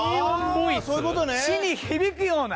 地に響くような。